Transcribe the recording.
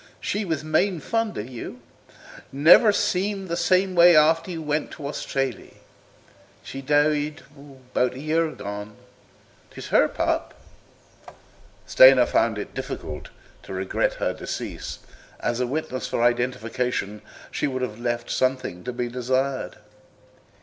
"She was main fond of you; never seemed the same after you went away to Australee. She died 'bout a year agone. 'Tis her pup." Stoner found it difficult to regret her decease; as a witness for identification she would have left something to be desired.